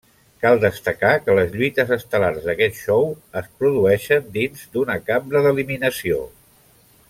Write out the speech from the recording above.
Cal destacar que les lluites estel·lars d'aquest show es produeixen dins d'una cambra d'eliminació.